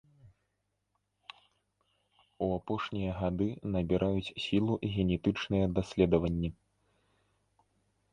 У апошнія гады набіраюць сілу генетычныя даследаванні.